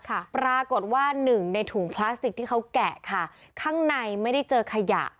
ปรากฏว่าหนึ่งในถุงพลาสติกที่เขาแกะค่ะข้างในไม่ได้เจอขยะ